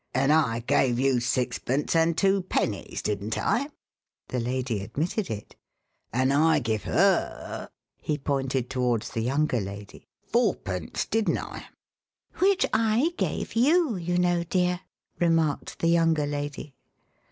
"And I gave you sixpence and two pennies, didn't I?" The lady admitted it. "An' I give 'er" he pointed towards the younger lady "fourpence, didn't I?" "Which I gave you, you know, dear," remarked the younger lady.